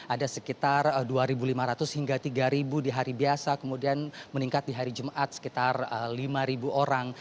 ada sekitar dua lima ratus hingga tiga di hari biasa kemudian meningkat di hari jumat sekitar lima orang